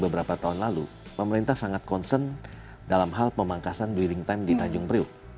beberapa tahun lalu pemerintah sangat concern dalam hal pemangkasan building time di tanjung priok